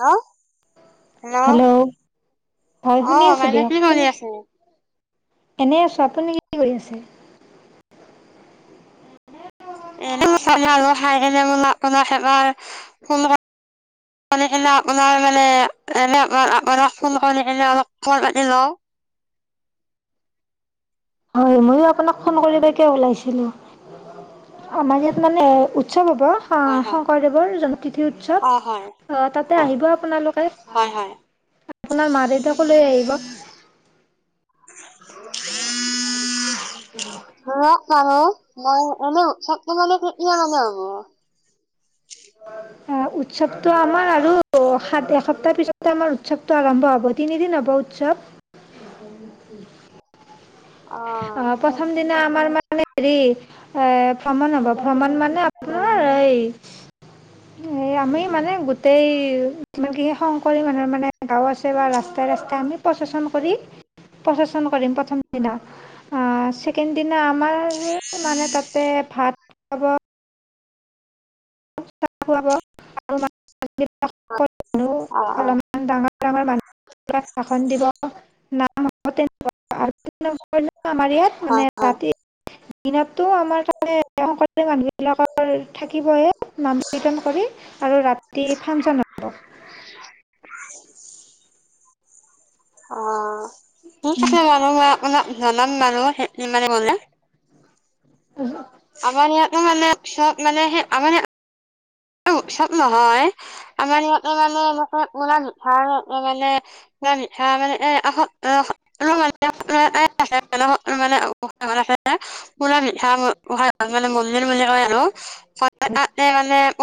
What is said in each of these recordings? হাঁ। হেল্ল' ভাল অ শুনি আছো বাইদেউ দিয়া কি কৰি কনে- আছে? এনে আছো আপুনি কি কৰি আছে? এ মচলা আলু খাই কিনে ম আপোনাক এবাৰ ফোন কৰি কিনে আপোনাৰ মানে এনোৰ আপাক ফোন কৰি কিনে অলপ খবৰ পাতি লওঁ। হয় ময়ো আপোনাক ফোন কৰিব কে ওলাইছিলো। আমাৰ ইয়াত মানে- উৎসৱ হয় হ'ব হয় শংকৰদেৱৰ জন তিথি উৎসৱ। অ হয় তাতে হয় আহিব আপোনালোকে হয় হয়। আপোনাৰ মা দেউতাকো লৈ আহিব। [unintelligible] [unintelligible] [unintelligible] মই এনে উৎসৱটো মানে কেতিয়া মানে হ'ব। আহ তাৰপিছতে আমাৰ উৎসৱটো আৰম্ভ হ'ব তিনিদিন হ'ব উৎসৱ। অ আহ প্ৰথম দিনা আমাৰ ম- মানে হেৰি এ ভ্ৰমণ হব ভ্ৰমণ মানে আপোনাৰ এই- উম। সে আমি মানে গোটেই- যিমান কি সেই শংকৰী মানুহৰ মানে গাঁও আছে বা ৰাস্তাই ৰাস্তাই আমি প্ৰচন কৰি প্ৰচেন কৰিম প্ৰথম দিনা ছেকেণ্ড দিনা আমাৰ মানে তাতে ভাত খাব। [inaudible] চা খুৱাব [inaudible] অ অ অলমান ডাঙৰ ডাঙৰ মানুহিলাক ভাসন দিব [unintelligible] [unintelligible] আমাৰ ইয়াত মানে হয় ৰাতি দিনতো আমাৰ তাতে [inaudible] সলকৰ থাকিবহে নাম কীৰ্তন কৰি আৰু ৰা তি ফানচন [inaudible] [inaudible] অ ঠিক আছে [inaudible] জনাম বাৰু ইমানে বলেনে, হয় আমাৰ ইয়াতো মানে চব মানে সেই আমাৰ ইয়াত চব নহয় আমাৰ ইয়াতে মানে [inaudible] [unintelligible]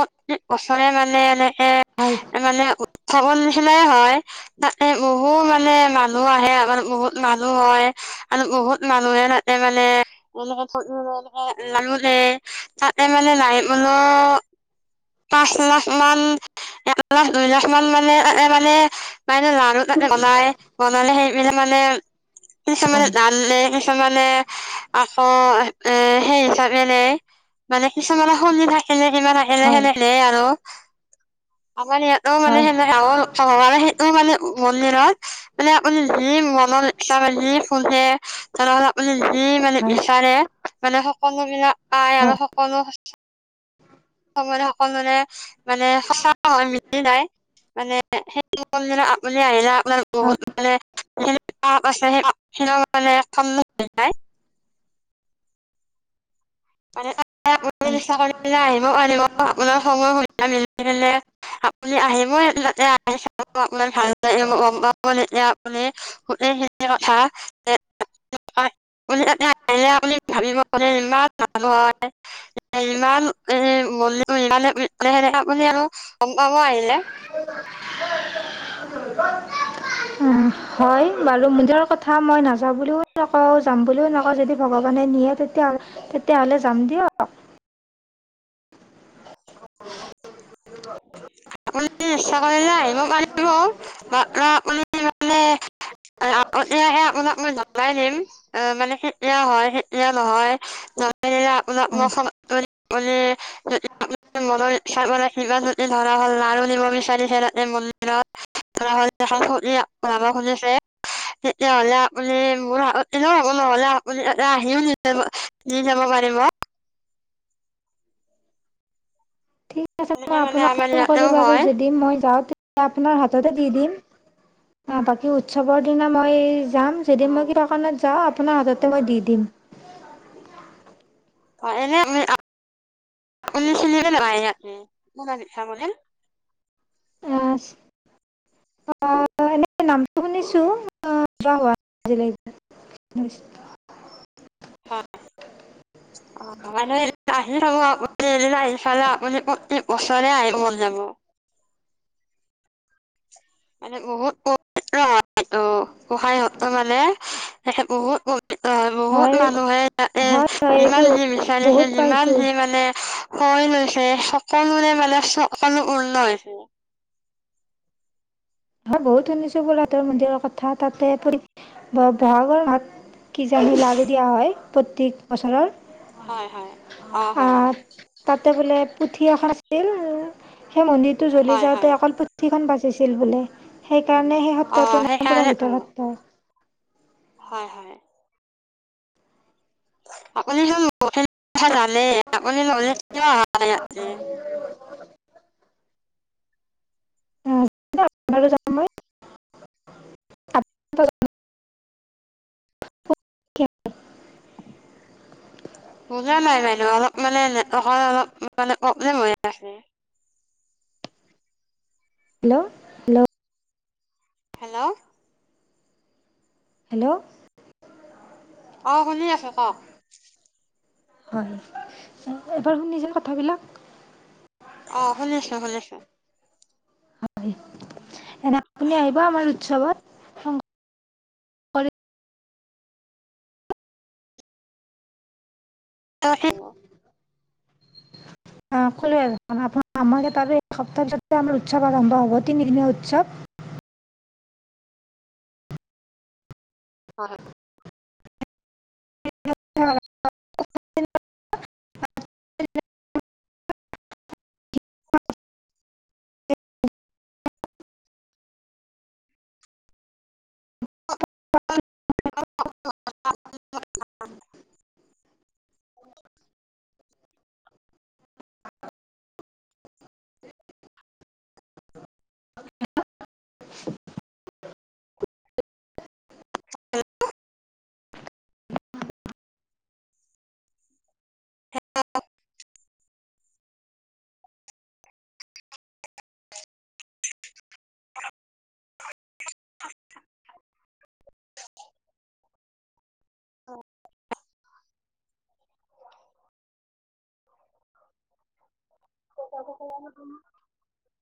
পচনে মানে এনে হে হয় মানে খগন নিেখিলাই হয় তাতে বহু মানে মানুহ আহে আমাৰ বহুত মানুহ হয় আৰু বহুত মানুহে তাতে মানে এনেকে এনেকোন তাতে মানে নাইলো পাঁচ লাখ মাল এক লাখ দুই লাখ মাল মান মে মানে মানে ল ত বনাই বনালে সেইবিলাক মানে কিছুমানে হয় নাননে কিছুমানে আকৌ এ সেই হিচাপে নে মানে কিছুমানে [inaudible] [unintelligible] ত। হয় আমাৰ ইহতো মানে হয় [inaudible] মন্দিৰত মানে [inaudible] [unintelligible] [unintelligible] এই মানে হয় বিচাৰে। মানে সকলো বিলাক, পাই আৰু হয় সকলো [unintelligible] মানে সঁচায় মিলি নাই মানে সেই [inaudible] আপুনি আহিলে আপোনাৰ বহুত মানে [inaudible] [unintelligible] [unintelligible] আহিব পাৰিব আপোনাৰ সময় সুবিধা মিলিলে মানে আপুনি আহিবই [unintelligible] আপোনাৰ ভাল লাগিব তেতিয়া আপুনি গোটেইখিনি কথা [unintelligible] আহিলে আপুনি ভাবিব মে ইমান হয় ইমান [unintelligible] হয় হয় বাৰু নিজৰ কথা মই নাযাওঁ বুলিও নকওঁ যাম বুলিও নকওঁ যদি ভগৱানে নিয়ে তেতিয়া তেতিয়াহ'লে যাম দিয়ক আপুনি ইচ্ছা কৰিলে আহিব পাৰিব বা আ আপুনি মানে আগতোহে আপোনাক মই জনাই দিম মানে কেতিয়া হয় সেতিয়া নহয় জনাই নিলে আপোনাক মই মনৰ ইচ্ছা মানে সিমান ধৰা হল লাৰু নিব বিচাৰিছে তাতে মন্দিৰত ধৰা হল [unintelligible] মানুহ শুনিছে তেতিয়াহলে আপুনি মোৰ এনেও হ'ব নহলে আপুনি তাতে আহিও নিজে দি যাব পাৰিম ঠিক আছে এনেকে মই মানে আপোনাক আমাৰ ফোন ইয়াতেও কৰিম বাৰু হয় যদি মই যাওঁ আপোনাৰ হাততে দি দিম বাকী উৎসৱৰ দিনা মই যাম যদি অ মই কিবা কাৰণত যাওঁ আপোনাৰ হাততে মই দি দিম অ এনে আপুনি চিনি নাপাই ইয়াক নো এনে নামটো শুনিছোঁ যোৱা হোৱা নাই আজিলৈকে হয় অ মানে আহি চাব আপুনি এদিন আহি পালে আপুনি প্ৰত্যেক বছৰে আহিব মন যাব মানে বহুত অ অ সহায় হব মানে তাকে বহুত বহুত অ বহুত হয় মানুহে হয় হয় তাতেইযিমান এইটো যি বিচাৰিছে বহুত যিমান পাইছোঁ যি মানে হৈ লৈছে সকলোৰে মানে সকলো উন নয় হৈছে বহুত শুনিছোঁ বৰহাটৰ মন্দিৰৰ কথা তাতে পৰিক--বহাগৰ মাহত কিজানি লাৰু দিয়া হয় প্ৰত্যেক বছৰৰ হয় হয় অ হয় আহ হয় তাতে বোলে পুথি এখন আছিল সেই মন্দিৰ টো জ্বলি হয় হয় যাওঁতে অকল পুথিখন বাছি বাছিল বোলে সেইকাৰণে সেই অ সত্ৰটো নাম পুৰা সেইকাৰণেতো ভিতৰ সত্ৰ হয় হয় আপুনি হেই পুথিৰ [unintelligible] পালে আপুনি ললে যাম যাম মই বুজা নাই বাইদেউ অলপ মানে নেট'ৱকৰ অলপ মানে প্ৰব্লেম হৈ আছে হেল্ল' হেল্ল' হেল্ল' হেল্ল' অ শুনি আছোঁ কক হয় এবাৰ শুনিছিল কথাবিলাক অ শুনিছোঁ শুনিছোঁ হয় এনে আপুনি আহিব আমাৰ উৎসৱত হে ক'লে আমাক তাৰ এসপ্তাহ আমাৰ উৎসৱ আৰম্ভ হ'ব তিনিদিনীয়া উৎসৱ হয় [unintelligible] পাওঁ তে [unintelligible] [unintelligible] [inaudible] অ [unintelligible]